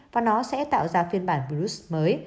và nó sẽ tạo ra phiên bản virus mới